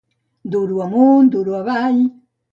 Duro amunt, duro avall...